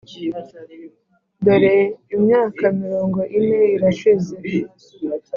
dore imyaka mirongo ine irashize